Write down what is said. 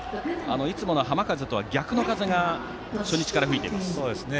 いつもの浜風とは逆の風が初日から吹いていますね。